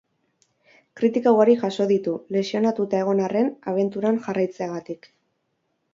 Kritika ugari jaso ditu, lesionatututa egon arren, abenturan jarraitzeagatik.